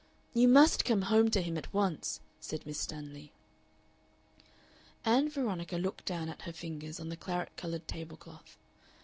"You must come home to him at once," said Miss Stanley. Ann Veronica looked down at her fingers on the claret colored table cloth.